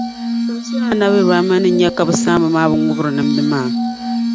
Saha shεli Annabi Ibrahima ni nya ka bɛ saamba maa bi ŋubri nimdi maa.